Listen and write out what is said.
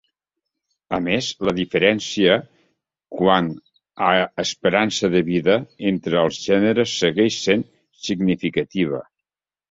A més, la diferència quant a esperança de vida entre els gèneres segueix sent significativa.